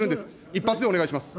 一発でお願いします。